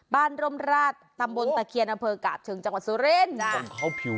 บ้านรมราชตำบลตะเคียนอเฟิร์กาบเชิงจังหวัดสุรินทร์